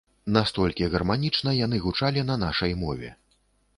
Настолькі гарманічна яны гучалі на нашай мове.